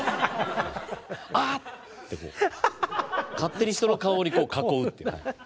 「あっ！」ってこう勝手に人の顔に囲うっていう。